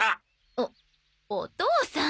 おお父さん。